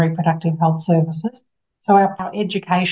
termasuk perusahaan kesehatan seksual dan reproduksi